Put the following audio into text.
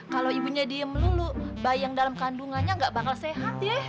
kalau ibunya diem dulu bayi yang dalam kandungannya enggak bakal sehat ya